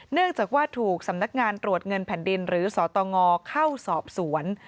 เนื่องจากว่าถูกสำนักงานตรวจเงินแผ่นดินหรือสตงเข้าสอบสวน